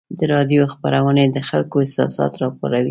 د راډیو خپرونې د خلکو احساسات راپاروي.